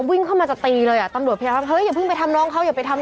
วิ่งเข้ามาจะตีเลยอ่ะตำรวจพยายามเฮ้ยอย่าเพิ่งไปทำน้องเขาอย่าไปทำ